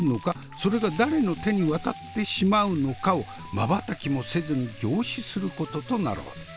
それが誰の手に渡ってしまうのかをまばたきもせずに凝視することとなろう。